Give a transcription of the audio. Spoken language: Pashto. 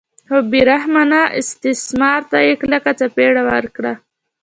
خو بې رحمانه استثمار ته یې کلکه څپېړه ورکړه.